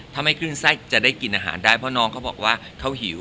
ถ้าไม่ขึ้นไส้จะได้กินอาหารได้เพราะน้องเขาบอกว่าเขาหิว